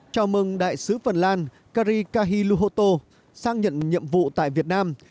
chào mừng đại sứ phần lan kari kahiluhoto sang nhận nhiệm vụ tại việt nam